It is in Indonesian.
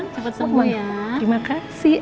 cepet sembuh ya